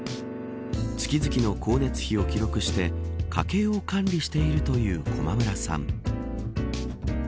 月々の光熱費を記録して家計を管理しているという駒村さん。